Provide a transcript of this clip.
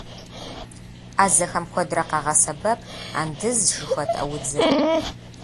Ӏэзэхэм куэдрэ къагъэсэбэп андыз жыхуэтӏэ удзыр.